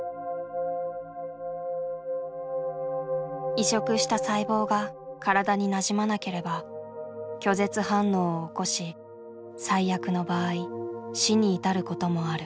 移植した細胞が体になじまなければ拒絶反応を起こし最悪の場合死に至ることもある。